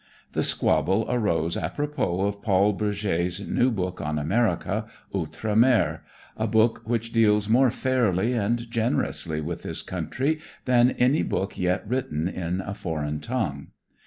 The squabble arose apropos of Paul Bourget's new book on America, "Outre Mer," a book which deals more fairly and generously with this country than any book yet written in a foreign tongue.